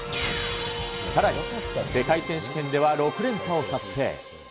さらに、世界選手権では６連覇を達成。